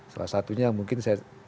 salah satunya mungkin